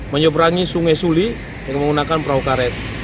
menyeberangi sungai suli yang menggunakan perahu karet